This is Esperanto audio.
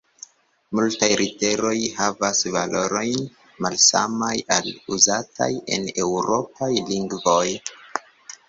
Multaj literoj havas valorojn malsamaj al uzataj en eŭropaj lingvoj.